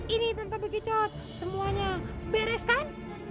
ini tenta begitu semuanya beres kan